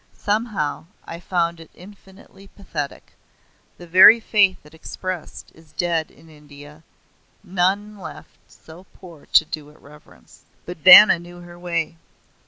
Somehow I found it infinitely pathetic; the very faith it expressed is dead in India, and none left so poor to do it reverence. But Vanna knew her way.